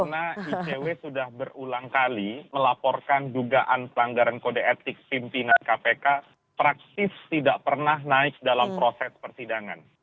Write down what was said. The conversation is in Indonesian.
karena icw sudah berulang kali melaporkan dugaan pelanggaran kode etik pimpinan kpk praktis tidak pernah naik dalam proses persidangan